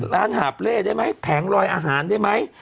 หาบเล่ได้ไหมแผงลอยอาหารได้ไหม